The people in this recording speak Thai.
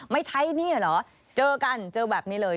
ไม่ใช้หนี้เหรอเจอกันเจอแบบนี้เลย